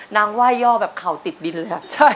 นางเว้ย่อแบบข่าวติดดินเลยอะ